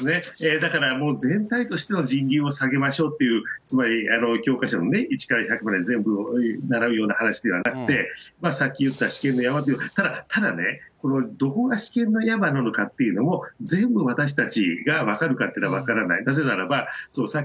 だからもう全体としての人流を下げましょうっていう、つまり教科書の１から１００まで全部ならうような話ではなくて、さっきいった治験の山のように、ただね、どこが試験の山なのかっていうのも全部私たちが分かるかっていうのは分からない。